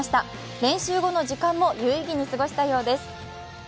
練習後の時間も有意義に過ごしたようです。